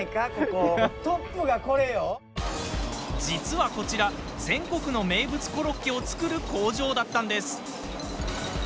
実は、こちら全国の名物コロッケを作る工場だったんです。